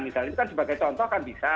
misalnya itu kan sebagai contoh kan bisa